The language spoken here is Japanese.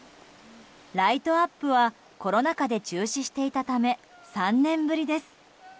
ライトアップはコロナ禍で中止していたため３年ぶりです。